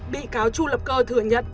bị cáo tru lập cơ thừa nhận